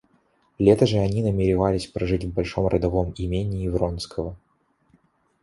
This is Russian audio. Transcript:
Лето же они намеревались прожить в большом родовом имении Вронского.